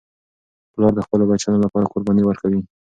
پلار د خپلو بچیانو لپاره قرباني ورکوي.